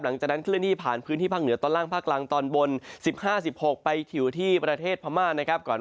เคลื่อนที่ผ่านพื้นที่ภาคเหนือตอนล่างภาคกลางตอนบน๑๕๑๖ไปอยู่ที่ประเทศพม่านะครับ